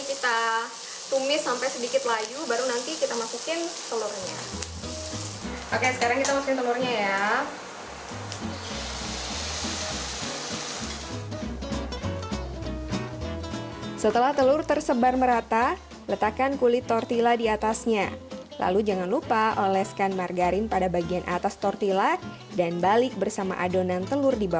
ini kita tumis sampai sedikit layu baru nanti kita masukin telurnya oke sekarang kita masukin telurnya